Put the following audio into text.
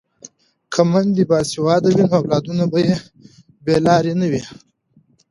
که میندې باسواده وي نو اولادونه به یې بې لارې نه وي.